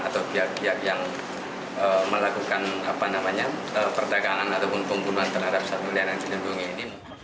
atau pihak pihak yang melakukan pertagangan ataupun pembunuhan terhadap satwa liar yang diendungi ini